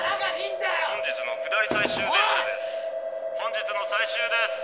本日の最終です。